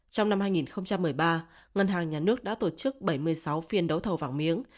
trong năm hai nghìn một mươi ba ngân hàng nhà nước đã tổ chức bảy mươi sáu phiên đấu thầu vàng miếng